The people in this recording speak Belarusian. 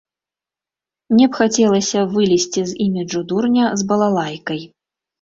Мне б хацелася вылезці з іміджу дурня з балалайкай.